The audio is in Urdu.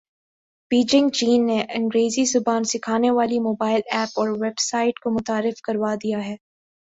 بیجنگ چین نے انگریزی زبان سکھانے والی موبائل ایپ اور ویب سایٹ کو متعارف کروا دیا ہے